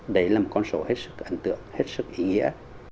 đấy là một con số hết sức ấn tượng hết sức ý nghĩa